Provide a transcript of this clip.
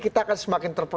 kita akan semakin terpenuh